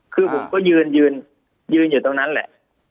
คือผมก็ยืนยืนอยู่ตรงนั้นแหละ